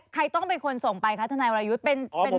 ใครต้องเป็นคนส่งไปคะทนายวรยุทธ์